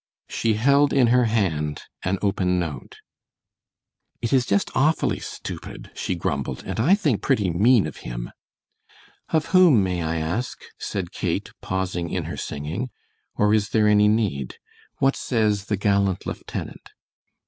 She held in her hand an open note. "It is just awfully stupid," she grumbled, "and I think pretty mean of him!" "Of whom, may I ask?" said Kate, pausing in her singing, "or is there any need? What says the gallant lieutenant?"